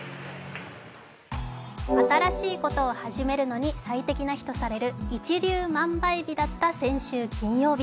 新しいことを始めるのに最適な日とされる一粒万倍日だった先週の金曜日。